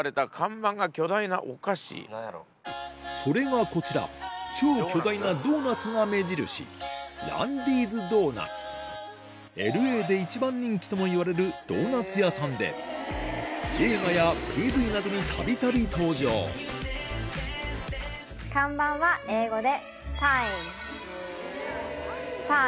それがこちら超巨大なドーナツが目印ＬＡで一番人気ともいわれるドーナツ屋さんで度々「看板」は英語で。